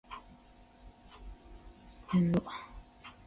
あっわわわ